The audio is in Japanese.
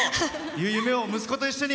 夢を息子と一緒に。